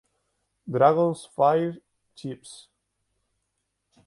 Dragon's Fire Chips".